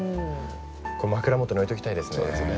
これ枕元に置いときたいですね。